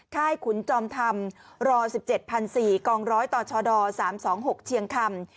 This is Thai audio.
ค่ายขุนจอมธรรมร๑๗๔๐๐กรตศ๓๒๖เชียงคำ